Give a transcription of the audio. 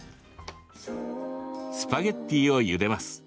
スパゲッティをゆでます。